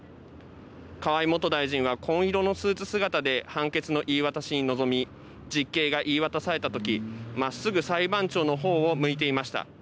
河井元大臣は紺色のスーツ姿で判決の言い渡しに臨み実刑が言い渡されたときまっすぐ裁判長の方を向いていました。